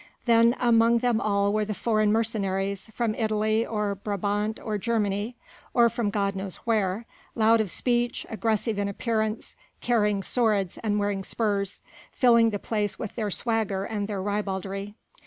Then amongst them all were the foreign mercenaries, from Italy or Brabant or Germany, or from God knows where, loud of speech, aggressive in appearance, carrying swords and wearing spurs, filling the place with their swagger and their ribaldry.